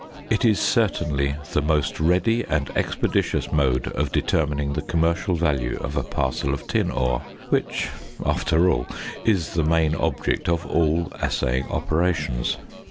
It is certainly the most ready and expeditious mode of determining the commercial value of a parcel of tin ore, which, after all, is the main object of all assaying operations.